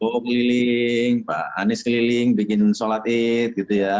mau keliling pak anies keliling bikin sholat id gitu ya